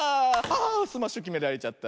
あスマッシュきめられちゃった。